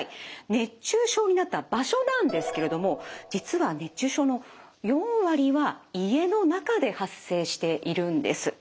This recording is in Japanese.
熱中症になった場所なんですけれども実は熱中症の４割は家の中で発生しているんです。